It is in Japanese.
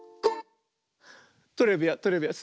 トレビアントレビアン。